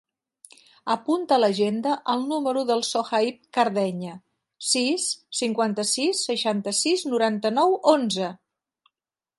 Apunta a l'agenda el número del Sohaib Cardeña: sis, cinquanta-sis, seixanta-sis, noranta-nou, onze.